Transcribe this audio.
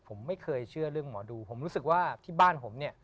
ผมไม่เคยเชื่อเรื่องหมอดูผมรู้สึกว่าที่บ้านผมเนี่ย